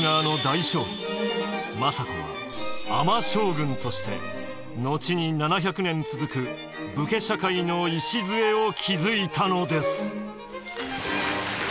政子は尼将軍として後に７００年続く武家社会の礎を築いたのです。